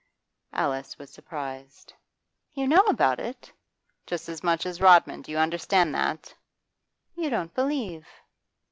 Alice was surprised. 'You know about it?' 'Just as much as Rodman, do you understand that?' 'You don't believe?